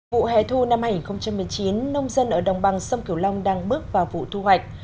vụ hè thu năm hai nghìn một mươi chín nông dân ở đồng bằng sông kiều long đang bước vào vụ thu hoạch